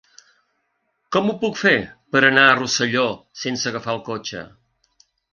Com ho puc fer per anar a Rosselló sense agafar el cotxe?